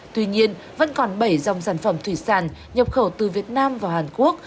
tuy nhiên vẫn còn bảy dòng sản phẩm thủy sản nhập khẩu từ việt nam vào hàn quốc